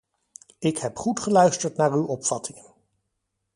Ik heb goed geluisterd naar uw opvattingen.